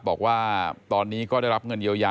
บอกว่าตอนนี้ก็ได้รับเงินเยียวยา